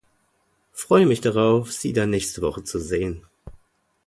Freue mich darauf, Sie dann nächste Woche zu sehen.